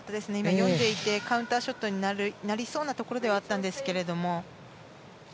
読んでいてカウンターショットになりそうなところではあったんですけれども。